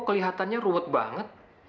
kelihatannya ruwet banget